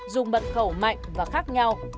dùng mật khẩu mạnh và khác nhau